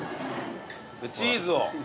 チーズを。